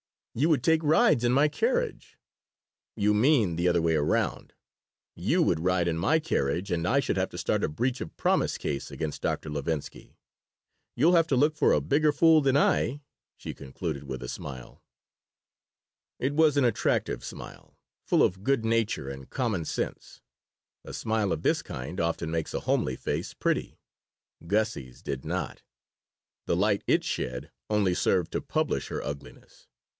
You would take rides in my carriage " "You mean the other way around: you would ride in my carriage and I should have to start a breach of promise case against 'Dr. Levinsky.' You'll have to look for a bigger fool than I," she concluded, with a smile It was an attractive smile, full of good nature and common sense. A smile of this kind often makes a homely face pretty. Gussie's did not. The light it shed only served to publish her ugliness.